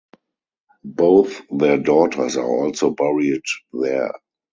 Both their daughters are also buried there.